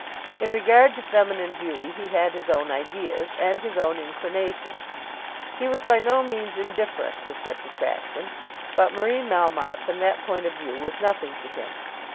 In regard to feminine beauty he had his own ideas, and his own inclinations. He was by no means indifferent to such attraction. But Marie Melmotte, from that point of view, was nothing to him.